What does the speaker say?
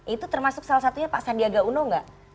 itu termasuk salah satunya pak sandiaga uno enggak